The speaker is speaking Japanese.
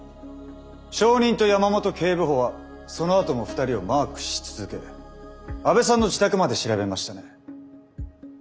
証人と山本警部補はそのあとも２人をマークし続け阿部さんの自宅まで調べましたね？